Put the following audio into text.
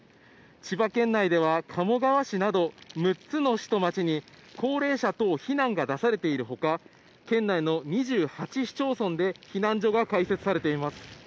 千葉県内では鴨川市など６つの市と町に高齢者等避難が出されているほか、県内の２８市町村で避難所が開設されています。